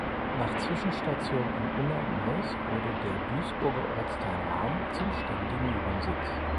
Nach Zwischenstationen in Unna und Neuss wurde der Duisburger Ortsteil Rahm zum ständigen Wohnsitz.